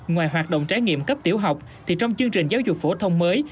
ngoài hoạt động trải nghiệm cấp tiểu học thì trong chương trình giáo dục phổ thông mới